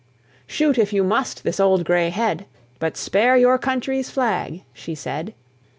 "Shoot, if you must, this old gray head, But spare your country's flag," she said.